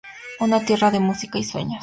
Una tierra de música y sueños.